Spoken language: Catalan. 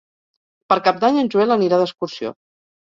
Per Cap d'Any en Joel anirà d'excursió.